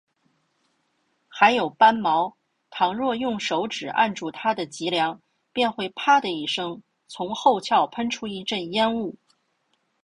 还有斑蝥，倘若用手指按住它的脊梁，便会啪的一声，从后窍喷出一阵烟雾